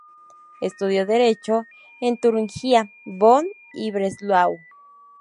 Estudió Derecho en Turingia, Bonn y Breslau.